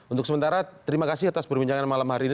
untuk sementara terima kasih atas perbincangan malam hari ini